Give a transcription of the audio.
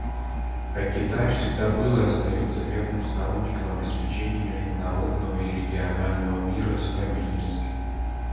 Китай всегда был и остается верным сторонником обеспечения международного и регионального мира и стабильности.